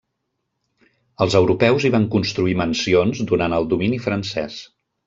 Els europeus hi van construir mansions durant el domini francès.